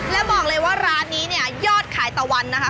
แล้วบอกเลยว่าร้านนี้เนี่ยยอดขายตะวันนะคะ